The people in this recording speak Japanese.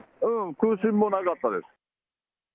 空振もなかったです。